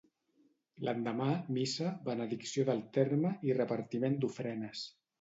L'endemà, missa, benedicció del terme i repartiment d'ofrenes.